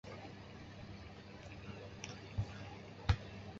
新北市区道列表列出新北市区道的起终点与里程。